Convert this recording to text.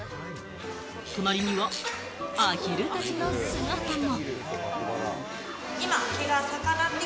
隣にはアヒルたちの姿も。